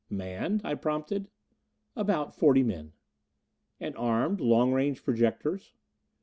"Manned " I prompted. "About forty men." "And armed? Long range projectors?"